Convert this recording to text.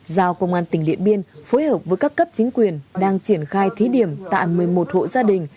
giao công an tỉnh điện biên phối hợp với các cấp chính quyền đang triển khai thí điểm tại một mươi một hộ gia đình